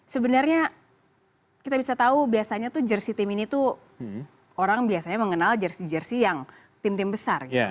sebenarnya kita bisa tahu biasanya tuh jersi tim ini tuh orang biasanya mengenal jersi jersi yang tim tim besar